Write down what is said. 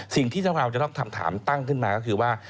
สิ่งที่เราจะต้องทำถามตั้งขึ้นมาก็คือว่า